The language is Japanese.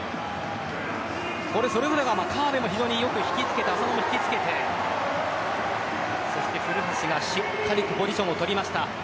それぞれが川辺も非常によく引きつけて浅野も引きつけてそして古橋がしっかりとポジションを取りました。